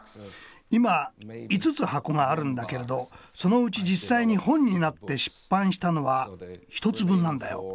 今５つ箱があるんだけれどそのうち実際に本になって出版したのは１つ分なんだよ。